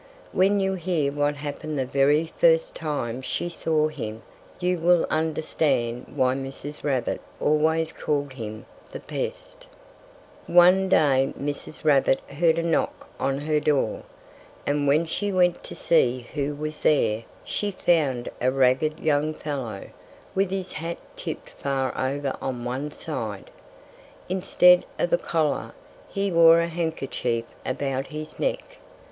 When you hear what happened the very first time she saw him you will understand why Mrs. Rabbit always called him "the Pest." One day Mrs. Rabbit heard a knock on her door. And when she went to see who was there, she found a ragged young fellow, with his hat tipped far over on one side. Instead of a collar, he wore a handkerchief about his neck.